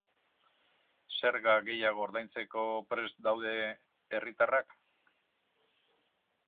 Zerga gehiago ordaintzeko prest daude herritarrak?